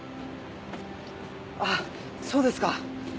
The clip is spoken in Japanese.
あっそうですか。